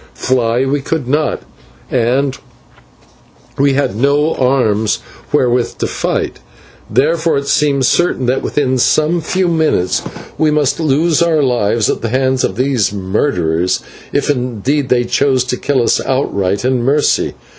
Fly we could not, and we had no arms wherewith to fight, therefore it seemed certain that within some few minutes we must lose our lives at the hands of these murderers, if indeed they chose to kill us outright in mercy.